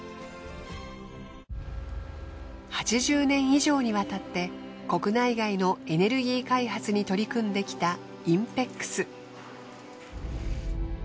８０年以上にわたって国内外のエネルギー開発に取り組んできたＩＮＰＥＸ。